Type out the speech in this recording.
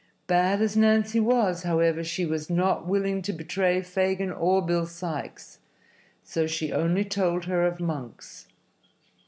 Bad as Nancy was, however, she was not willing to betray Fagin or Bill Sikes, so she only told her of Monks.